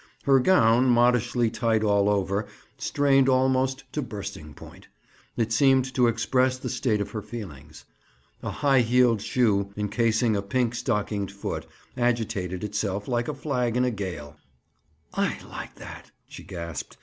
Her gown, modishly tight all over, strained almost to bursting point; it seemed to express the state of her feelings. A high heeled shoe, encasing a pink stockinged foot, agitated itself like a flag in a gale. "I like that," she gasped.